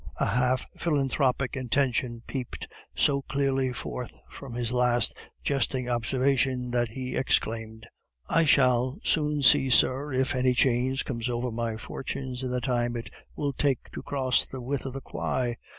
A half philanthropic intention peeped so clearly forth from his last jesting observation, that he exclaimed: "I shall soon see, sir, if any change comes over my fortunes in the time it will take to cross the width of the quay.